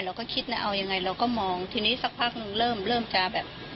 เราก็คิดนะเอายังไงเราก็มองทีนี้สักพักหนึ่งเริ่มเริ่มจะแบบ